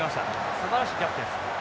すばらしいキャプテンです。